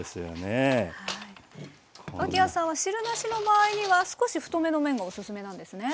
脇屋さんは汁なしの場合には少し太めの麺がおすすめなんですね。